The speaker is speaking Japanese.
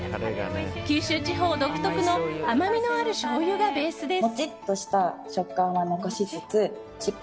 九州地方独特の甘みのあるしょうゆがベースです。